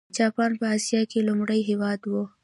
جاپان په اسیا کې لومړنی هېواد و.